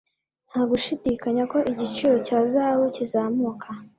Nta gushidikanya ko igiciro cya zahabu kizamuka.